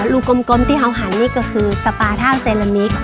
ลูกกลมที่เขาหันนี่ก็คือสปาท่าวเซรามิก